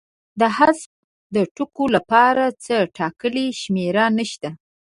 د حذف د ټکو لپاره څه ټاکلې شمېر نشته.